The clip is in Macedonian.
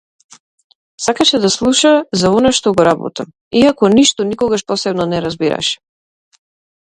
Сакаше да слуша за она што го работам, иако ништо никогаш посебно не разбираше.